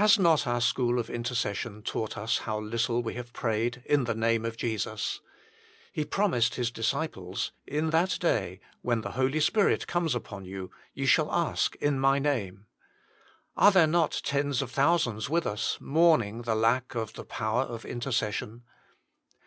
Has not our school of intercession taught us how little \ve have prayed in the name of Jesus ? He promised His disciples : In that day, when the Holy Spirit comes upon you, ye shall ask in My name. Are there not tens of thousands with us mourning the lack of the power of intercession